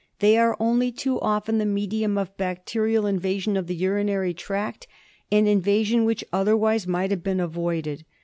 They are only too often the medium of bacterial invasion of the urinary tract, an invasion which otherwise might have been avoided.